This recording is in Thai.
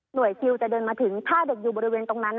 หน่วยเซียลจะเดินมาถึง๕เด็กอยู่บริเวณตรงนั้น